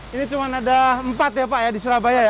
ini cuma ada empat ya pak ya di surabaya ya